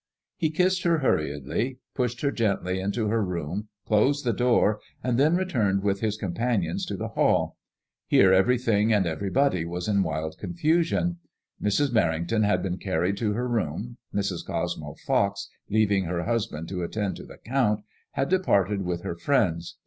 He kissed her hurriedly, pushed her gently into her room, closed the door, and then returned with his companions to the hall. Here everything and everybody was in wild confusion. Mrs. Merrington had been carried to her room. Mrs. Cosmo Fox, leaving her husband to attend to the Count, had departed with her friends.